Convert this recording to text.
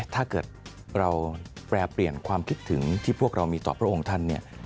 ถ้าเกิดเราแปรเปลี่ยนความคิดถึงที่พวกเรามีต่อพระองค์ท่านเนี่ย